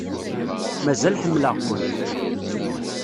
Mazal ḥemmleɣ-kent.